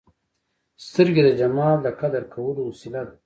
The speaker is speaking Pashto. سترګې د جمال د قدر کولو وسیله ده